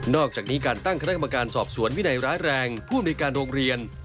อกจากนี้การตั้งคณะกรรมการสอบสวนวินัยร้ายแรงผู้ในการโรงเรียน